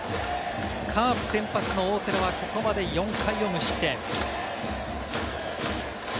カープ先発の大瀬良は、ここまで４回無失点。